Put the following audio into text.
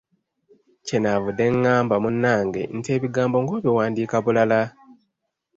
Kye nnavudde ngamba munnange nti ebigambo ng’obiwandiika bulala!